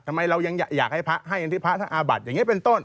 ทำไมเรายังอยากให้พระให้อย่างที่พระท่านอาบัติอย่างนี้เป็นต้น